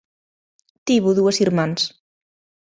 Tivo dúas irmás.